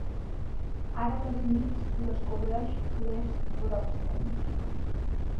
Ara les nits les cobreix Les Grobstein.